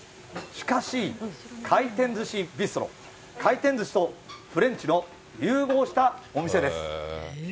しかし、回転ずしビストロ、回転ずしとフレンチの融合したお店です。